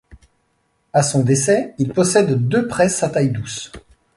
À son décès, il possède deux presses à taille-douce.